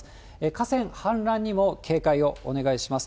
河川氾濫にも警戒をお願いします。